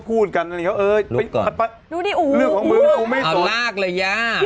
สุดท้ายสุดท้าย